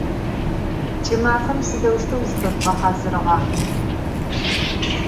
Ç'ımafem sıdeuşteu zıfezjüğehazırıra?